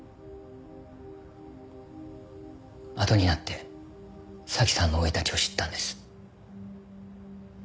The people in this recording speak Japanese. あとになって早紀さんの生い立ちを知ったんです。